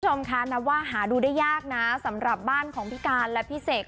คุณผู้ชมคะนับว่าหาดูได้ยากนะสำหรับบ้านของพี่การและพี่เสก